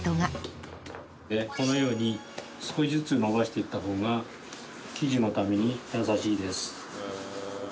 このように少しずつ伸ばしていった方が生地のために優しいです。